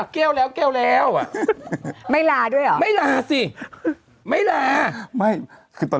แก้วแล้วแก้วแล้วอ่ะไม่ลาด้วยเหรอไม่ลาสิไม่ลาไม่คือตอน